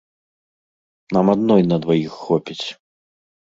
Нам адной на дваіх хопіць.